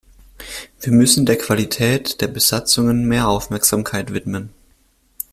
Wir müssen der Qualität der Besatzungen mehr Aufmerksamkeit widmen.